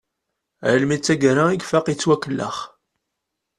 Almi d taggara i ifaq yettwakellex.